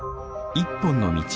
「一本の道」。